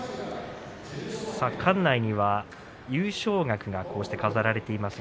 館内には優勝額がこうして飾られています。